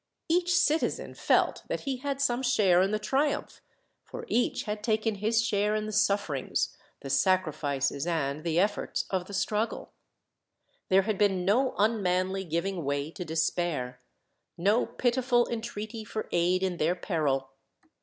Each citizen felt that he had some share in the triumph, for each had taken his share in the sufferings, the sacrifices, and the efforts of the struggle. There had been no unmanly giving way to despair, no pitiful entreaty for aid in their peril.